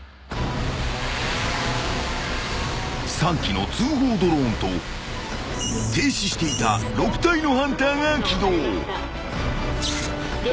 ［３機の通報ドローンと停止していた６体のハンターが起動］